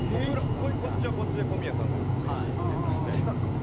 こっちはこっちで小宮さんとよく飯行ってたんで。